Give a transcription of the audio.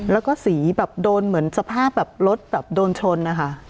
แล้วก็สีแบบโดนเหมือนสภาพแบบรถแบบโดนชนนะคะ